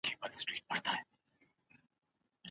د مونوګراف د لیکلو لپاره په پوهنتونونو کي کوم نوي اصول سته؟